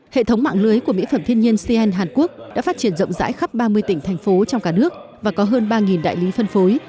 hệ thống mạng lưới của mỹ phẩm thiên nhiên cn hàn quốc đã phát triển rộng rãi khắp ba mươi tỉnh thành phố trong cả nước và có hơn ba đại lý phân phối